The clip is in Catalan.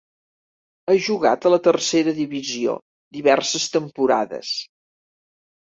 Ha jugat a la Tercera Divisió diverses temporades.